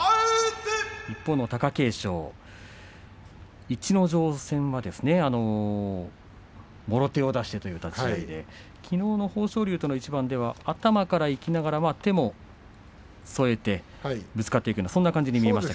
一方の貴景勝逸ノ城戦はもろ手を出してという立ち合いできのうの豊昇龍との一番では頭からいきながら手も添えてぶつかっていくそんな感じに見えました。